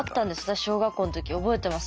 私小学校の時覚えてます。